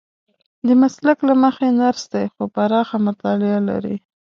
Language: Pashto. د مسلک له مخې نرس دی خو پراخه مطالعه لري.